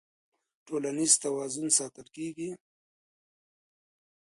ټولنيز توازن ساتل کيږي.